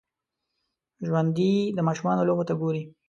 ژوندي د ماشومانو لوبو ته ګوري